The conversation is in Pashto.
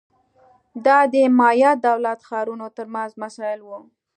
دا د مایا دولت ښارونو ترمنځ مسایل وو